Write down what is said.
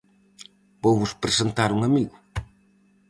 Vouvos presentar un amigo.